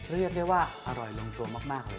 เรียกได้ว่าอร่อยลงตัวมากเลย